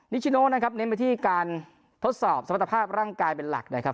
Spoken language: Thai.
ชิโนนะครับเน้นไปที่การทดสอบสมรรถภาพร่างกายเป็นหลักนะครับ